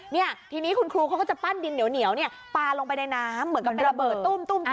เนี่ยทีนี้คุณครูเขาก็จะปั้นดินเหนียวเนี่ยปลาลงไปในน้ำเหมือนกับเป็นระเบิดตุ้ม